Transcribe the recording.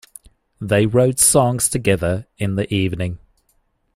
They wrote songs together in the evening.